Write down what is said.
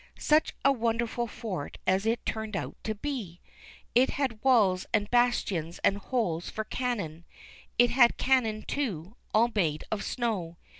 Such a wonderful fort as it turned out to be ! It had walls and bastions and holes for cannon. It had cannon too, all made of snow.